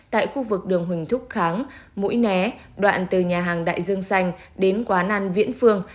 tại khu vực đường huỳnh thúc kháng mũi né đoạn từ nhà hàng đại dương xanh đến quán ăn viễn phương